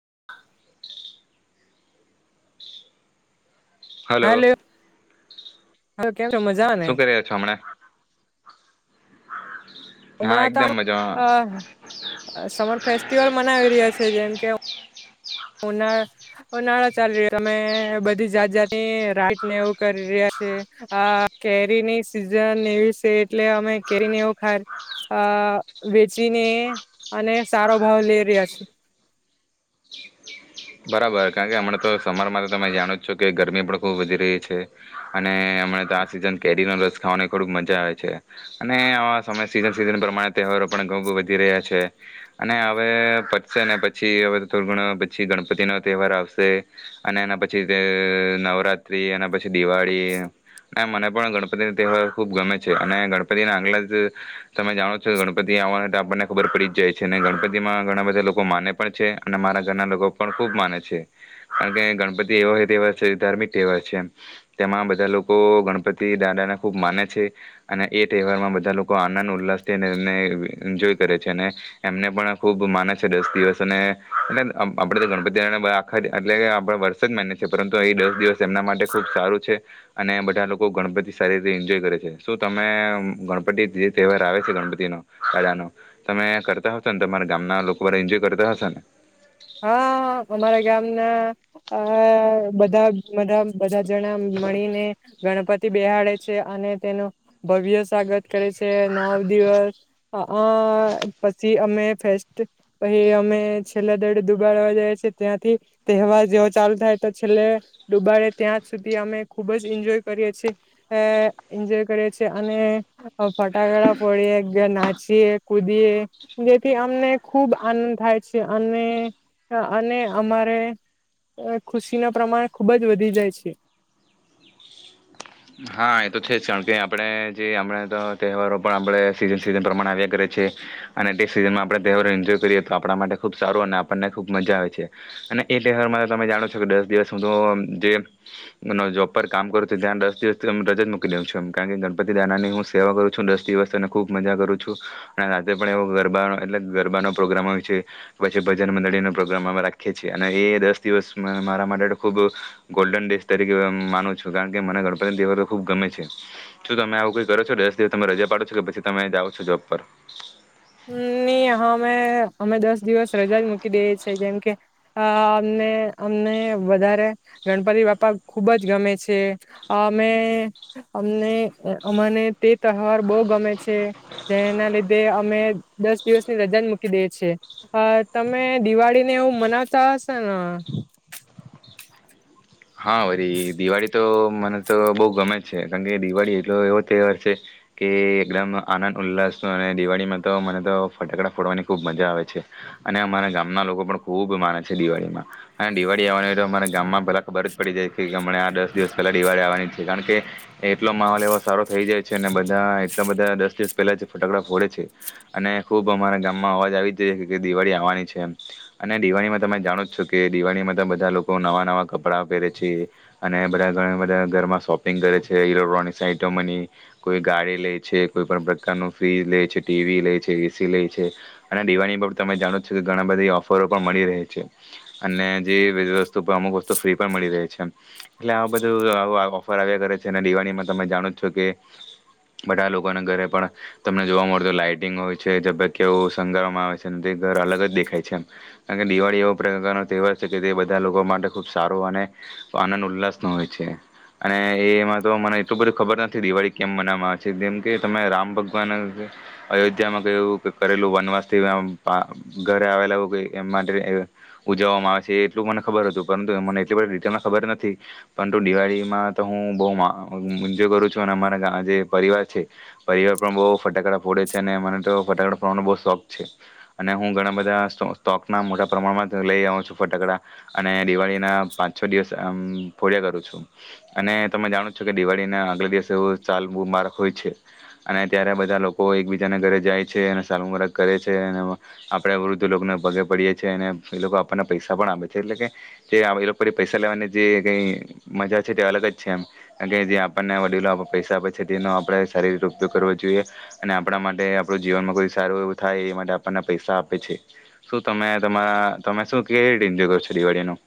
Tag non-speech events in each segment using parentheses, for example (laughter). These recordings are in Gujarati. (inaudible) Hello hello. (inaudible) કેમ છો, મજા ને? શું કરી રહ્યા છો હમણાં હા હમણાં તો એકદમ મજામાં સમર ફેસ્ટિવલ મનાવી રહ્યા છે જેમ કે ઉનાળા ઉનાળા ચાલી રહ્યો અમે બધી જાત જાત રાઈટને એવું કરી રહ્યા છે આ કેરીની સિઝન એવી છે એટલે અમે કેરીને એવ વેચીને અને સારો ભાવ લે રહ્યા છે બરાબર કારણ કે હમણાં તો સમરમાં તો તમે જાણો જ છો કે ગરમી પણ ખૂબ વધી રહી છે અને હમણા તો આ સિઝન કેરીનો રસ ખાવાની થોડીક મજા આવે છે અને આવા સમય સીઝન સિઝન પ્રમાણે તહેવારો પણ (unintelligible) વધી રહ્યા છે અને હવે પતશે ને પછી હવે થોડું ઘણ પછી ગણ ગણપતિનો તહેવાર આવશે અને એના પછી નવરાત્રિ એના પછી દિવાળી અને મને પણ ગણપતિનો તહેવાર ખૂબ ગમે છે અને ગણપતિના આગલા જ તમે જાણો છો ગણપતિ આવવા આપણને ખબર પડી જ જાય છે અને ગણપતિમાં ઘણા બધા લોકો માને પણ છે અને મારા ઘરના લોકો ખૂબ માને છે કારણ કે ગણપતિ એવો તહેવાર છે ધાર્મિક તહેવાર છે તેમાં બધા લોકો ગણપતિ દાદાને ખૂબ માને છે અને એ તહેવારમાં બધા લોકો આનંદ ઉલ્લાસ થઈને એને એન્જોય કરે છે અને એમને પણ ખૂબ માને છે દસ દિવસ અને (unintelligible) આપણે તો આગલા દિવસે વર્ષ જ માન છીએ પરંતુ એ દસ દિવસ એમના માટે ખૂબ સારું છે અને બધા લોકો ગણપતિ સારી રીતે એન્જોય કરે છે શું તમે ગણપતિ જે તહેવાર આવે છે ગણપતિ દાદાનો તમે કરતા હશો ને તમારા ગામના લોકો બધા એન્જોય કરતા હશો ને હા અમારા ગામના આ બધાા બધા જ જણા મળીને ગણપતિ બેહાડે છે અને તેનું ભવ્ય સ્વાગત કરે છે નવ દિવસ આ પછી અમે ફેસ્ટ પહી અમે છેલ્લા દુબાડવા જઈએ છીએ ત્યાંથી તહેવાર જેવો ચાલુ થાય તો છેલ્લે દુબાડે ત્યાં સુધી અમે ખુબ જ એન્જોય કરીએ છીએ એન્જોય કરીએ છીએ અને ફટાકડા ફોડીએ નાચીએ કૂદીએ જેથી અમને ખૂબ આનંદ થાય છે અને અને અમારે ખુશી નો પ્રમાણ ખુબ જ વધી જાય છે હા એ તો છે જ કારણ કે આપણે જે આપણે તો તહેવારો પણ આપણે સીઝન સીઝન પ્રમાણે આવ્યા કરે છ છે અને તે સિઝનમાં આપણે તહેવારો એન્જોય કરીએ તો આપણા માટે ખુબ સારો અને આપણને ખુબ મજા આવે છે અને એ તહેવારમાં તમે જાણો છો કે દસ દિવસ હું તો જે જોબ પર કામ કરું છું ત્યાં દસ દિવસ રજા જ મૂકી દઉં છું એમ કારણ કે ગણપતિ દાનાની હું સેવા કરું છું દસ દિવસ અને ખૂબ મજા કરું છું અને રાત્રે પણ એવો ગરબાનો એટલે ગરબાનોો પ્રોગ્રામ હો છે કે પછી ભજન મંડળીનોો પ્રોગ્રામ રાખીએ છીએ અને એ દસ દિવસ મારા માટે ખૂબ ગોલ્ડન ડેેશ તરીકે માનું છું કારણ કે મનેણ દ (unintelligible) ખુબ ગમે છે શું તમે આવું કઈ કરો છો દસ દિવસ તમે રજા પાડો છો કે પછી તમે જાઓ છો જોબ પર ની હવે અમે દસ દિવસ રજા જ મૂકી દઈએ છેએ કેમ કે અ અમને અમને વધારે ગણપતિ બાપ્પા ખુબ જ ગમે છે અમે અમને અમને તે તહેવાર બહુ ગમે છે જેના લીધે અમે દસ દિવસ ની રજા જ મૂકી દયે છે તમે દિવાળી ને એવું મનાવતા હસો ને હા વરી દિવાળી તો મને તો બહુ ગમે છે કારણ કે દિવાળી એટલો એવો તહેવાર છે કે એકદમ આનંદ ઉલ્લાસનો અને દિવાળીમાં તો મને તો ફટાકડા ફોડવાની ખૂબ મજા આવે છે અને અમારા ગામના લોકો પણ ખૂબ માને છે દિવાળીમાં અને દિવાળી આવવાની હોય તો અમારા ગામમાં પેલાં (inaudible) પડી જાય (unintelligible) આ દસ દિવસ પહેલા દિવાળી આવવાની છે કારણ કે એટલો માહોલ એવો સારો થઈ જાય છે અને બધા એટલા બધા દસ દિવસ પહેલાં જ ફટાકડા ફોડે છે અને ખૂબ અમારા ગામમાં અવાજ આવી જાય છે કે દિવાળી આવવાની છે એમ અને દિવાળીમાં તમે જાણો જ છો કે દિવાળીમાં તો બધા લોકો નવા નવા કપડાં પહેરે છે અને બધા ઘણા બધા ઘરમાં શોપિંગ કરે છે ઇલેક્ટ્રોનિકસ આઈટમોની કોઈ ગાડી લે છે કોઈ પણ પ્રકારનું ફ્રીજ લે છે ટી વી લે છે એ સી લે છે અને દિવાળ પર તમે જાણો છો કે ઘણા બધી ઓફરો પણ મળી રહે છે અને જે બધી વસ્તુ પર અમુક તો ફ્રી પણ મળી રહે છે એટલે આ બધું ઓફર આવ્યા કરે છે અને દિવાળીમાં તમે જાણો જ છો કે બધા લોકોને ઘરે પણ તમને જોવા મળતો લાાઈટિંગ હોય છે ઝબકિયાંઓ સંણગારવામાં આવે છે તે ઘર અલગ જ દેખાય છે એમ કારણ કે દિવાળી એવો પ્રકારનો તહેવાર છે કે તે બધા લોકો માટે ખુબ સારો અને આનંદ ઉલ્લાસ નો હોય છે અને એમાં તો મને એટલું બધ ખબર નથી દિવાળી કેમ મનાવામાં આવે છે જેમ કે તમે રામ ભગવાન અયોધ્યામાં કરેલું વનવાસ થી પરંતુ મને એટલી બધ ડિટેલમાં ખબર નથી પરંતુ દિવાળીમાં તો હું બહુજય કરું છું અને અમારા જે પરિવાર છે પરિવાર પણ બહુ ફટાકડા ફોડે છે અને મને તો ફટાકડા ફોડવાનો બહ શોખ છે અને હું ઘણા બધા સ્ટોકના મોટા પ્રમાણમાં લઈ આવ છું ફટાકડા અને દિવાળીના પાંચ છ દિવસ આમ ફોડ્યા કરું છું અને તમે જાણો છો કે દિવાળીના આગલા દિવસે એવું સાલમૂં બારખ હોય છે અને ત્યારે બધા લોકો એકબીજાને ઘરે જાય છે અને સાલમું બારખ કરે છે અને આપણે વૃદ્ધ લોકોને પગે પડીએ છીએ અને એ લોકો આપણને પૈસા પણ આપે છે એટલે કે જે એ લોકો પૈસા લેવાની જે કઈ મજા છે તે અલગ જ છે એમ કાર કે જે આપણને વડીલો પૈસા આપે છે તેનો આપણેે સારી રીતે ઉપયોગ કરવો જોઈએ અને આપણા માટે આપણું જીવનમાં કોઈ સારું એવું થાય એ માટે આપણને પૈસા આપે છે શું તમે તમારા તમે શું કેવી રીતે એન્જય કરો છો દિવાળીનું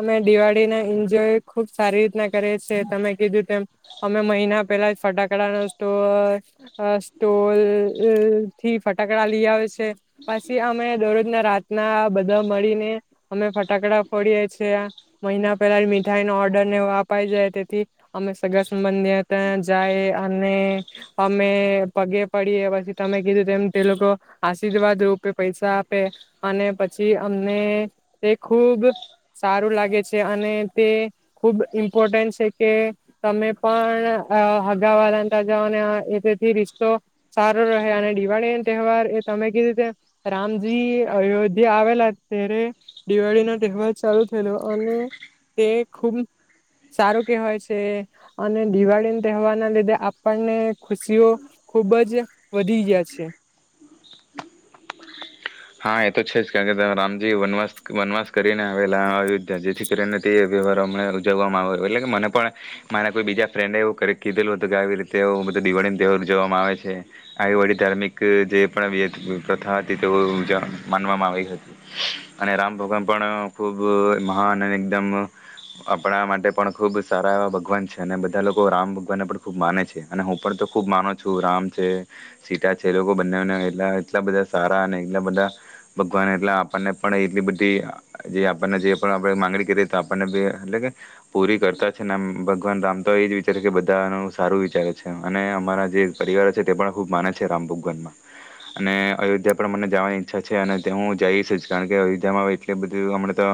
અમે દિવાળી ના એન્જોય ખુબ સારી રીતના કરીએ છે તમે કીધું તેમ અમે મહિના પેલા ફટાકડા ન સ્ટોક સ્ટોલ થી ફટાકડા લઈ આવે છે પછી અમે દરરોજ ના રાતના બધા મળીને અમે ફટાકડા ફોડીએ છીએ મહિના પેલા મીઠાઈ ન ઓર્ડર નેવ અપાઈ જાય તેથી અમે સગા સંબંધી ત્યાં જાય અને અમે પગે પડીએ પછી તમે કીધું તે લોકો આશીર્વાદ રૂપે પૈસા આપે અને પછી અમને એ ખુબ સારું લાગે છે અને તે ખુબ ઇમ્પોર્ટન્ટ છે કે તમે પણ હગાવા રાતા જઓ અને એ તેથી રિશતો સારો રહે અને દિવાળીનો તહેવાર એ તમે કેવી રીતે રામજી અયોધ્યા આવેલા ત્યારે દિવાળીનો તહેવાર સારું થયેલું અને તે ખૂબ સારું કેહેવાય છે. અને દિવાળી તહેવારના લીધે આપણને ખુશીઓ ખુબ જ વધી ગ્યા છે. હા એ તો છે જ. કારણ કે ત રામજી વનવાસ વનવાસ કરીને આવેલા અયોધ્યા, જેથી કરીને તે વ્યવહાર હમને ઉજવવામાં આવ્યો. એટલે કે મને પણ મારા કોઈ બીજા ફ્રેન્ડે એવું કીધેલું હતું, કે આવી રીતે એવું બધું દિવાળીન તહેવાર ઉજવવામાં આવે છે. આવી બધી ધાર્મિક જે પણ પ્રથા હતી તેઓ માનવામાં આવી હતી. અને રામ ભગવાન પણ ખૂબ મહાન અને એકદમ આપણા માટે પણ ખૂબ સારા એવા ભગવાન છે. અને બધા લોકો રામ ભગવાનને પણ ખૂબ માને છે અને હું પણ તો ખૂબ માનો છું રામ છે સીતા છે. એ લોકો બંને એલા એટલા બધા સારા અને એટલા બધા ભગવાન એટલા આપણને પણ એટલી બધી જે આપણને જે પણ આપણે માંગણી કરી તો આપણને બી એટલે કે પૂરી કરતા છે. ભગવાન રામ તો એ જ વિચારે છે કે બધાનું સારું વિચારે છે. અને અમારા જે પરિવારો છે તે પણ ખૂબ માને છે રામ ભગવાનમાં. અને અયોધ્યા પણ મને જવાની ઈચ્છા છે, અને ત્યાં હું જઈશ જ. કારણ કે અયોધ્યામાં એટલી બધું હમણાં તો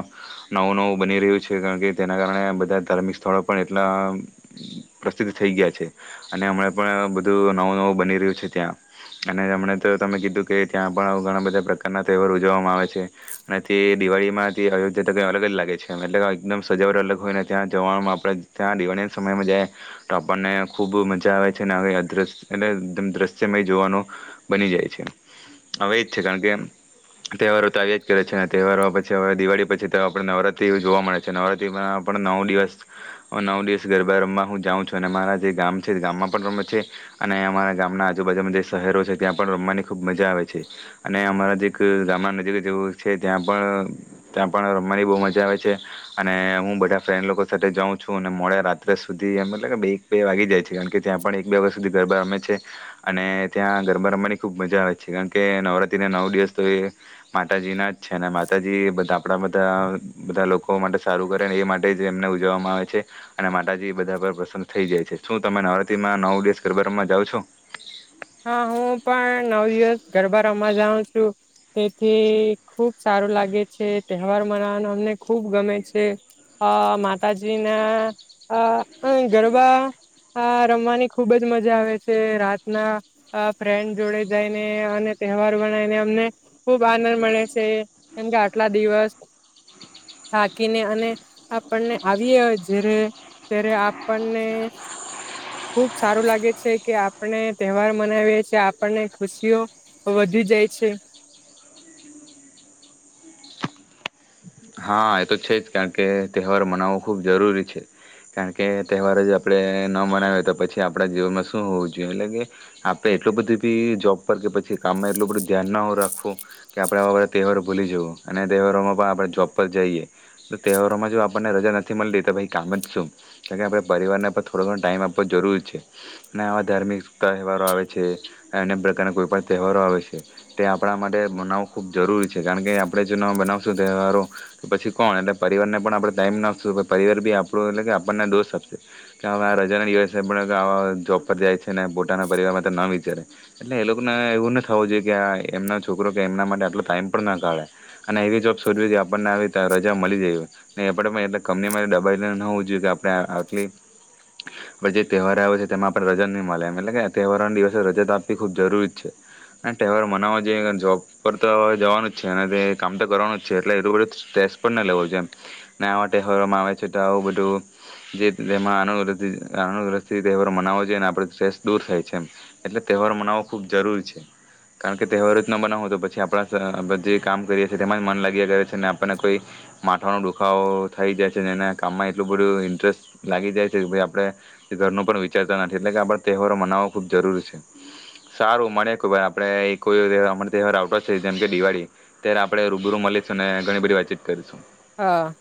નવું નવું બની રહ્યું છે, કારણ કે તેના કારણે બધા ધાર્મિક સ્થળો પણ એટલા પ્રસિદ્ધ થઈ ગયા છે. અને હમણાં પણ બધું નવું નવું બની રહ્યું છે ત્યાં અને હમણા તો તમે કીધું કે ત્યાં પણ ઘણા બધા પ્રકારના તહેવાર ઉજવવામાં આવે છે. અનેથી દિવાળીમાંથી અયોધ્યા તો કંઈ અલગ જ લાગે છે એમ. એટલે કે એકદમ સજાવટ અલગ હોયને ત્યાં જવામાં આપણે ત્યાં દિવાળીના સમયમાં જાય તો આપણને ખૂબ મજા આવે છે અને અ દ્રશ્ય એટલે એકદમ દ્રશ્યમય જોવાનું બની જાય છે. હવે એ જ છે, કારણ કે તહેવારો તો આવ્યાજ કરે છે. અને તહેવારો પછી હવે દિવાળી પછી તો આપણે નવરાત્રી એવું જોવા મળે છે. નવરાત્રીમાં પણ નવ દિવસ નવ દિવસ ગરબા રમવા હું જાઉં છું. અને મારા જે ગામ છે ગામમાં પણ રમે છે, અને અમારા ગામના આજુબાજુમાં જે શહેરો છે ત્યાં પણ રમવાની ખુબ મજા આવે છે છે. અને અમારા જે ગામડા નજીક જેવું છે ત્યાં પણ ત્યાં પણ રમવાની બહુ મજા આવે છે. અને હું બધા ફ્રેન્ડ લોકો સાથે જાઉં છું અને મોડે રાત્રે સુધી મતલબ એક બે વાગી જાય છે, કારણ કે ત્યાં પણ એક બે વાગ્યા સુધી ગરબા રમે છે. અને ત્યાં ગરબા રમવાની ખુબ મજા આવે છે. કારણ કે નવરાત્રીને નવ દિવસ તો એ માતાજીના જ છે. અને માતાજી બધા આપણા બધા બધા લોકો માટે સારું કરે ને એ માટે જ એમને ઉજવવામાં આવે છે. અને માતાજી બધા પર પ્રસન્ન થઈ જાય છે. શું તમે નવરાત્રીમાં નવ દિવસ ગરબા રમવા જાઓ છો? હા હું પણ નવ દિવસ ગરબા રમાવા જાઉં છું. તેથી ખુબ સારું લાગે છે, તહેવાર મનાવાનું અમને ખૂબ ગમે છે. અ માતાજીના અ ગરબા રમવાની ખૂબ જ મજા આવે છે. રાતના અ ફ્રેન્ડ જોડે જઈને અને તહેવાર મનાવીને અમને ખુબ આનંદ મળે છે. કેમકે આટલા દિવસ થાકીને અને આપણને આવીએ જ ત્યારે આપણને ખૂબ સારું લાગે છે કે આપણે તહેવાર મનાવીએ છીએ, આપણને ખુશીઓ વધી જાય છે. હા, એ તો છે જ, કારણ કે તહેવાર મનાવવો ખૂબ જરૂરી છે. કારણ કે તહેવાર જ આપણે ન મનાવીએ તો પછી આપણા જીવનમાં શું હોવું જોઈએ. એટલે કે આપણે એટલું બધું બી જોબ પર કે પછી કામમાં એટલું બધું ધ્યાન ના રાખવું કે આપણે આવા બધા તહેવાર ભૂલી જવું. અને તહેવારોમાં પણ આપણે જોબ ઉપર જઈએ. તો તહેવારોમાં જો આપણને રજા નથી મલતી તો ભાઈ કામ જ શું? કારણ કે આપણે પરિવારને પર થોડો ઘણો ટાઈમ આપવો જરૂરી જ છે. ને આવા ધાર્મિક તહેવારો આવે છે, અન્ય પ્રકારના કોઈ પણ તહેવારો આવે છે તે આપણા માટે મનાવવું ખૂબ જરૂરી છે. કારણ કે આપણે જો ન મનાવશું તહેવારો પછી કોણ એને પરિવારને પણ આપણે ટાઈમ નાશું પરિવાર બી આપણું એટલે કે આપણને દોશ આપશે કે હવે આ રજાના દિવસે પણ આ જોબ પર જાય છે. પોતાના પરિવાર ના વિચારે એટલે એ લોકોને એવું ન થવું જોઈએ કે આ એમના છોકરો કે એમના માટે આટલો ટાઈમ પણ ના કાઢે અને એવી જોબ શોધવી કે આ આપણને આવી રજા મળી ગઈ આપણે પણ એટલે કંપનીમાં દબાવીને ન હોવું જોઈએ કે આપણે આ આટલી પછી તહેવાર આવે છે તેમાં આપણે રજા ની મળે એમ એટલે કે આ તહેવારો દિવસે રજા તો આપવી ખૂબ જરૂરી જ છે ને તહેવાર મનાવવા જઈએ, જોબ પર તો હવે જવાનું જ છે અને તે કામ તો કરવાનું જ છે. એટલે એટલું બધું સ્ટ્રેસ પણ ન લેવો જેમ ને આવા તહેવારોમાં આવે છે તો આવું બધું જે ટ્રેન માં આનુ રથી આનુ રથી તહેવારો મનાવો જોઈએ અને આપણ સ્ટ્રેસ દૂર થાય છે એમ એટલે તહેવારો મનાવવો ખૂબ જરૂરી છે. કારણ કે તહેવાર જ ન બનાવવો તો પછી આપણા (inaudible) બધે કામ કરીએ છીએ તેમાં મન લા (inaudible) છેને આપણને કોઈ માથાનો દુખાવો થઈ જાય છેને એ કામમાં એટલું બધું ઇન્ટરેસ્ટ લાગી જાય છે. જે આપણે ઘરનું પણ વિચારતા નથી એટલે કે આપ તહેવારો મનાવો ખુબ જરૂરી છે. સારું મળે કેાઈ આપડે કો તહેવાર આવતો છે જેમકે દિવાળી ત્યારે આપણે રૂબરૂ મળી અને ઘણી બધી વાતચીત કરીશું. હા.